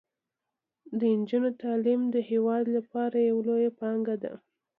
د نجونو تعلیم د هیواد لپاره یوه لویه پانګونه ده.